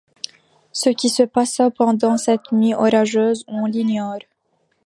Ce qui se passa pendant cette nuit orageuse, on l’ignore.